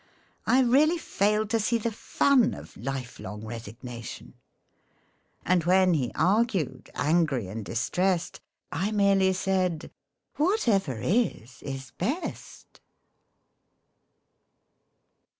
I really failed to see the fun Of lifelong resignation. And when he argued, angry and distrest, I merely said " Whatever is, is best."